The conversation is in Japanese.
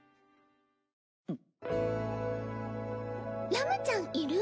ラムちゃんいる？